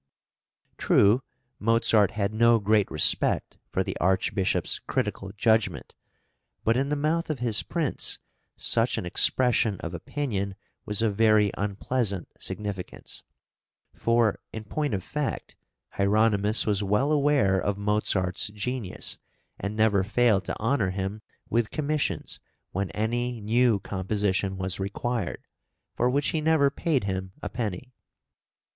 True, Mozart had no great respect for the Archbishop's critical judgment, but in the mouth of his Prince such an expression of opinion was of very unpleasant significance; for, in point of fact, Hieronymus was well aware of Mozart's genius, and never failed to honour him with commissions when any new composition was required, for which he never paid him a penny.